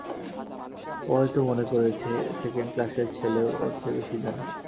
ও হয়তো মনে করেছে, সেকেণ্ড ক্লাসের ছেলেও এর চেয়ে বেশি জানে।